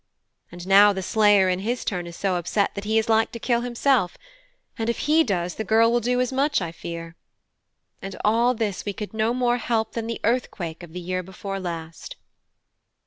And now the slayer in his turn is so upset that he is like to kill himself; and if he does, the girl will do as much, I fear. And all this we could no more help than the earthquake of the year before last."